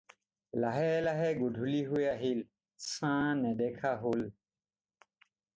লাহে লাহে গধূলি হৈ আহিল, ছাঁ নেদেখা হ'ল।